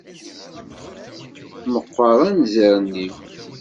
Meqqer anzaren-im.